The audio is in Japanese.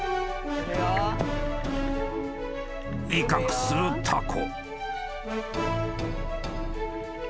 ［威嚇するタコ］